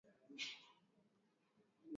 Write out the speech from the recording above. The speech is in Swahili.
niingize steili yangu ya mziki katika